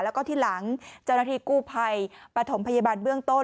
แล้วก็ที่หลังเจ้าหน้าที่กู้ภัยปฐมพยาบาลเบื้องต้น